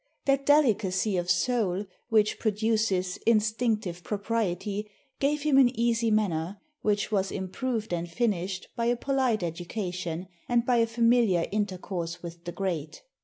That delicacy of soul which produces instinctive propriety, gave him an easy manner, which was improved and finished by a polite education, and by a familiar intercourse with the Great.